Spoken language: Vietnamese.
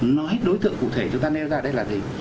nói đối tượng cụ thể chúng ta nêu ra đây là gì